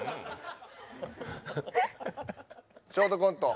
ショートコント